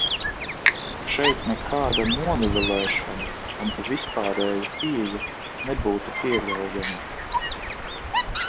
Šeit nekāda nonivelēšana un vispārēja pieeja nebūtu pieļaujama.